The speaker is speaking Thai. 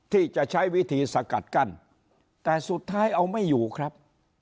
ที่จะใช้วิธีสกัดกั้นแต่สุดท้ายเอาไม่อยู่ครับ